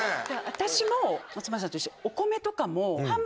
私も松村さんと一緒。